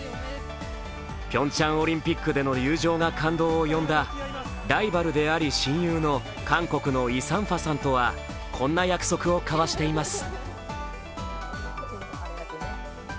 ピョンチャンオリンピックでの友情が感動を呼んだライバルであり親友の韓国のイ・サンファさんとはこんな約束を交わしています。